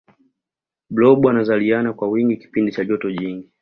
blob anazaliana kwa wingi kipindi cha joto jingi